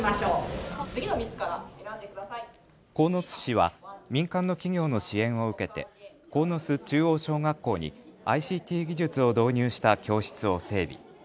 鴻巣市は民間の企業の支援を受けて鴻巣中央小学校にＩＣＴ技術を導入した教室を整備。